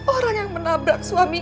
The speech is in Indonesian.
orang yang menabrak suami